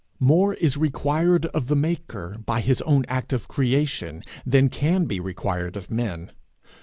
More is required of the maker, by his own act of creation, than can be required of men.